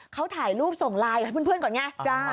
เขาถ่ายรูปส่งไลน์ให้เพื่อนก่อนไง